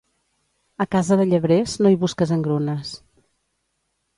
A casa de llebrers, no hi busques engrunes.